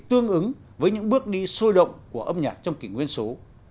tương ứng với những bước đi sôi động của âm nhạc trong kỷ nguyên số